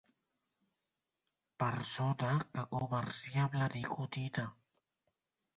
Persona que comercia amb la nicotina.